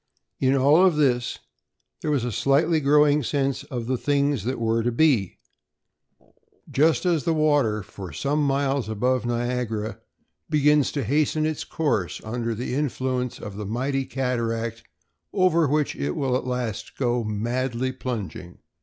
In all of this, there was a slightly growing sense of the things that were to be, just as the water for some miles above Niagara begins to hasten its course under the influence of the mighty cataract over which it will at last go madly plunging.